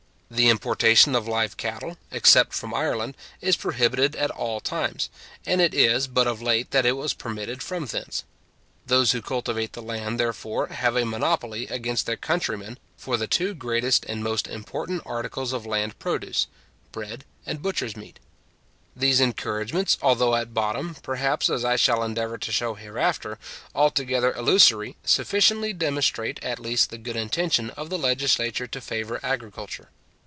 The importation of live cattle, except from Ireland, is prohibited at all times; and it is but of late that it was permitted from thence. Those who cultivate the land, therefore, have a monopoly against their countrymen for the two greatest and most important articles of land produce, bread and butcher's meat. These encouragements, although at bottom, perhaps, as I shall endeavour to show hereafter, altogether illusory, sufficiently demonstrate at least the good intention of the legislature to favour agriculture.